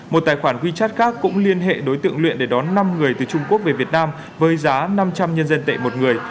một tài khoản wechat khác cũng liên hệ đối tượng luyện để đón năm người từ trung quốc về việt nam với giá năm trăm linh nhân dân tệ một người